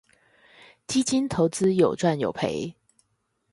基金投資有賺有賠